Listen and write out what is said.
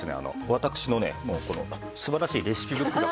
私のねこの素晴らしいレシピブックが。